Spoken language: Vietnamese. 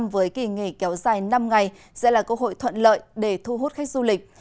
với kỳ nghỉ kéo dài năm ngày sẽ là cơ hội thuận lợi để thu hút khách du lịch